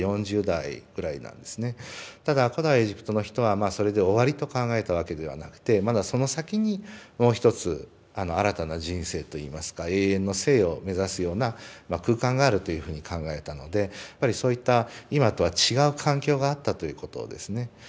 ただ古代エジプトの人はまあそれで終わりと考えたわけではなくてまだその先にもう一つあの新たな人生といいますか永遠の生を目指すような空間があるというふうに考えたのでやっぱりそういった今とは違う環境があったということをですね